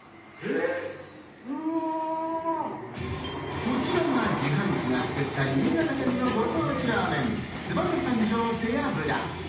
こちらが、自販機が作った新潟県のご当地ラーメン・燕三条Ｓｅ−Ａｂｕｒａ。